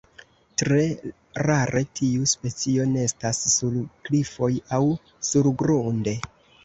Tre rare tiu specio nestas sur klifoj aŭ surgrunde.